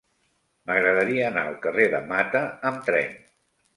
M'agradaria anar al carrer de Mata amb tren.